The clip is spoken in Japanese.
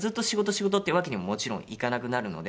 仕事！っていうわけにももちろんいかなくなるので。